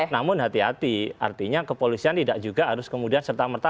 namun hati hati artinya kepolisian tidak juga harus kemudian serta merta